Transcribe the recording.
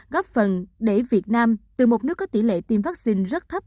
góp phần để việt nam từ một nước có tỷ lệ tiêm vaccine rất thấp